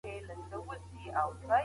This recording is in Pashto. حقیقت ووایئ.